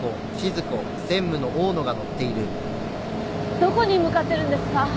どこに向かってるんですか？